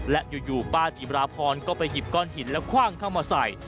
และอยู่ป้าจิบราพรก็ไปหยิบก้อนหินและคว่างเข้ามาใส่